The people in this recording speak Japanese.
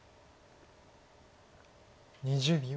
２０秒。